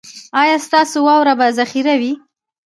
ایا ستاسو واوره به ذخیره وي؟